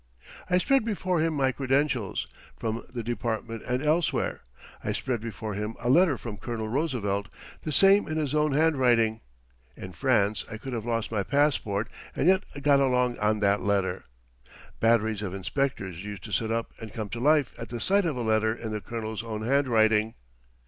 I spread before him my credentials from the department and elsewhere. I spread before him a letter from Colonel Roosevelt, the same in his own handwriting. In France I could have lost my passport and yet got along on that letter. Batteries of inspectors used to sit up and come to life at the sight of a letter in the colonel's own handwriting.